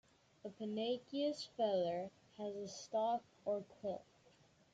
A pennaceous feather has a stalk or quill.